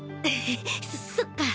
そっか。